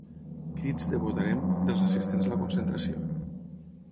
Crits de ‘votarem’ dels assistents a la concentració.